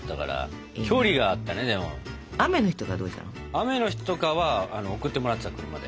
雨の日とかは送ってもらってた車で。